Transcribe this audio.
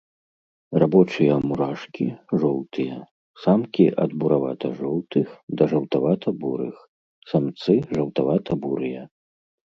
Рабочыя мурашкі, жоўтыя, самкі ад буравата-жоўтых да жаўтавата-бурых, самцы жаўтавата-бурыя.